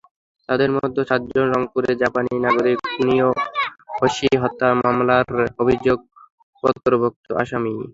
তাঁদের মধ্যে সাতজন রংপুরে জাপানি নাগরিক কুনিও হোশি হত্যা মামলার অভিযোগপত্রভুক্ত আসামি।